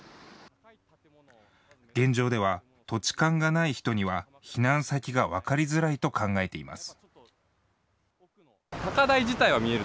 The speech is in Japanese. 現状では土地勘がない人には避難先が分かりづらいと考えています。